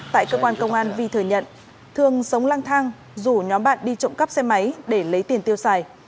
tại cơ quan công an vi thừa nhận thường sống lang thang rủ nhóm bạn đi trộm cắp xe máy để lấy tiền tiêu xài